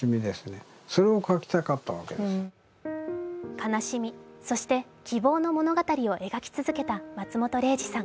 悲しみ、そして希望の物語を描き続けた松本零士さん。